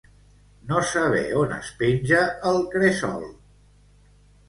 No saber on es penja el cresol.